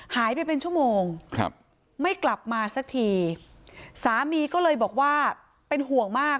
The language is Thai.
หายไปเป็นชั่วโมงครับไม่กลับมาสักทีสามีก็เลยบอกว่าเป็นห่วงมาก